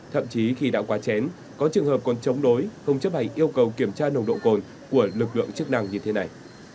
thậm chí khi đã quá chén có trường hợp còn chống đối không chấp hành yêu cầu kiểm tra nồng độ cồn của lực lượng chức năng như thế này